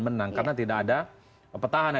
menang karena tidak ada petahana